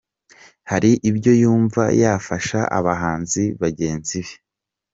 Hari ibyo yumva yafasha abahanzi bagenzi be….